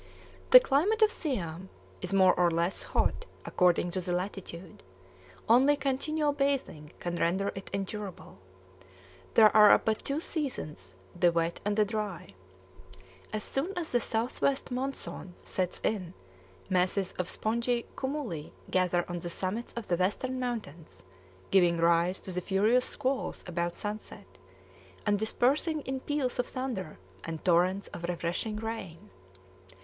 The climate of Siam is more or less hot according to the latitude; only continual bathing can render it endurable. There are but two seasons, the wet and the dry. As soon as the southwest monsoon sets in, masses of spongy cumuli gather on the summits of the western mountains, giving rise to furious squalls about sunset, and dispersing in peals of thunder and torrents of refreshing rain.